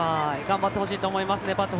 粘ってほしいと思います。